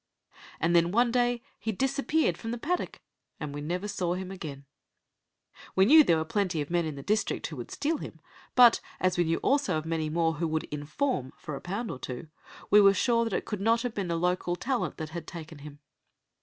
And then one day he disappeared from the paddock, and we never saw him again. We knew there were plenty of men in the district who would steal him; but, as we knew also of many more who would "inform" for a pound or two, we were sure that it could not have been local "talent" that had taken him.